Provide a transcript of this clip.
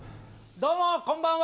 どうも、こんばんは。